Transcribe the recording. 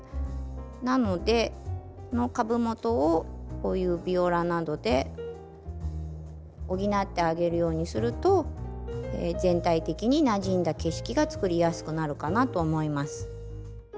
なのでこの株元をこういうビオラなどで補ってあげるようにすると全体的になじんだ景色がつくりやすくなるかなと思います。